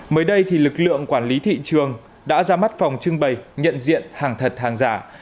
mới đây thì lực lượng quản lý thị trường đã ra mắt phòng trưng bày nhận diện hàng thật hàng giả